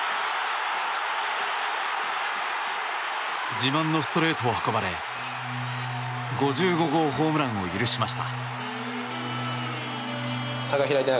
自慢のストレートを運ばれ５５号ホームランを許しました。